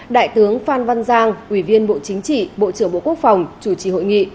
đại tướng phan văn giang ủy viên bộ chính trị bộ trưởng bộ quốc phòng chủ trì hội nghị